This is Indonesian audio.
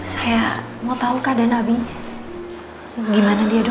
saya mau tau keadaan abinya gimana dia dok